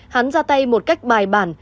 hắn ra tay một cách bài bản